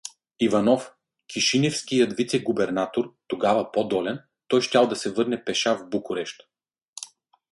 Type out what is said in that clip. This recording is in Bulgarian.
Иванов, кишиневският вицегубернатор (тогава по-долен), той щял да се върне пеша в Букурещ.